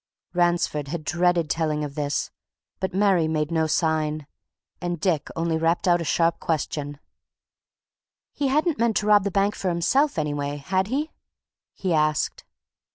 Ransford had dreaded the telling of this but Mary made no sign, and Dick only rapped out a sharp question. "He hadn't meant to rob the bank for himself, anyway, had he?" he asked.